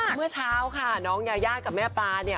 เมื่อเช้าค่ะน้องยายากับแม่ปลาเนี่ย